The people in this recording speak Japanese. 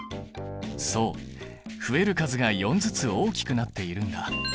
そう増える数が４ずつ大きくなっているんだ。